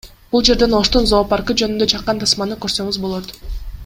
Бул жерден Оштун зоопаркы жөнүндө чакан тасманы көрсөңүз болот